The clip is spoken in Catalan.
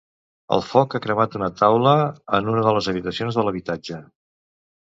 El foc ha cremat una taula en una de les habitacions de l'habitatge.